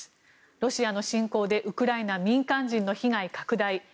ロシアの侵攻でウクライナ、民間人の被害拡大